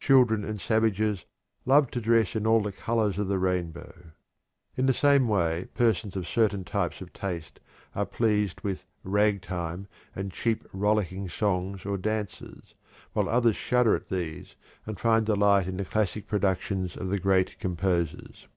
Children and savages love to dress in all the colors of the rainbow." In the same way persons of certain types of taste are pleased with "rag time" and cheap, rollicking songs or dances, while others shudder at these and find delight in the classic productions of the great composers.